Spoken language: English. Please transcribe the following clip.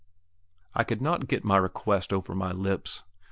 I could not get my request over my lips.